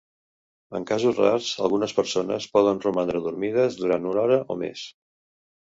En casos rars, algunes persones poden romandre adormides durant una hora o més.